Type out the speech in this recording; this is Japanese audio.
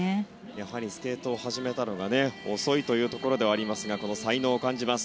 やはりスケートを始めたのは遅いというところではありますが才能を感じます。